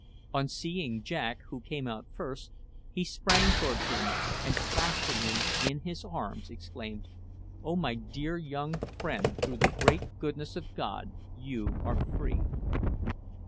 On seeing Jack, who came out first, he sprang towards him, and clasping him in his arms, exclaimed: "Oh my dear young friend, through the great goodness of God you are free!"